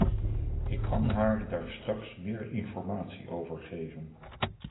Ik kan haar daar straks meer informatie over geven.